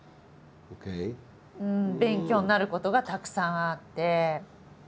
勉強になることがたくさんあって。